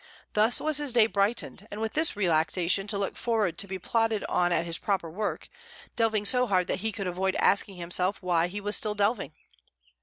Thus was his day brightened, and with this relaxation to look forward to be plodded on at his proper work, delving so hard that he could avoid asking himself why he was still delving.